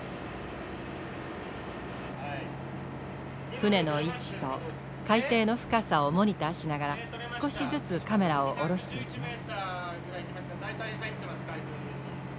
船の位置と海底の深さをモニターしながら少しずつカメラを下ろしていきます。